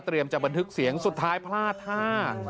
เตรียมจำเป็นฮึกเสียงสุดท้ายพลาดท่า